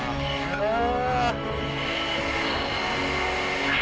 ああ。